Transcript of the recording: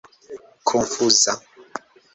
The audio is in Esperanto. konfuza